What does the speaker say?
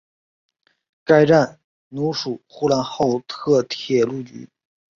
该站隶属呼和浩特铁路局。